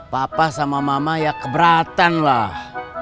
papa sama mama ya keberatan lah